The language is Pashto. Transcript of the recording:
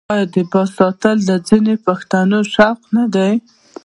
آیا د باز ساتل د ځینو پښتنو شوق نه دی؟